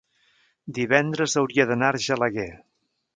divendres hauria d'anar a Argelaguer.